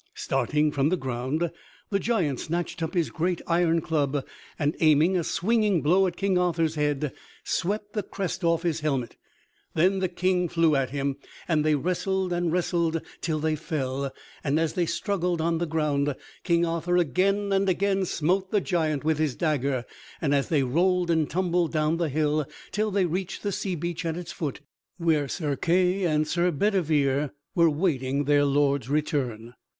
Starting from the ground, the giant snatched up his great iron club, and aiming a swinging blow at King Arthur's head, swept the crest off his helmet. Then the King flew at him, and they wrestled and wrestled till they fell, and as they struggled on the ground King Arthur again and again smote the giant with his dagger, and they rolled and tumbled down the hill till they reached the sea beach at its foot, where Sir Kay and Sir Bedivere were waiting their lord's return.